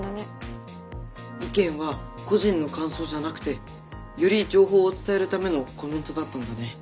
意見は個人の感想じゃなくてより情報を伝えるためのコメントだったんだね。